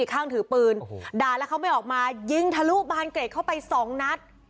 ข้างถือปืนด่าแล้วเขาไม่ออกมายิงทะลุบานเกร็ดเข้าไปสองนัด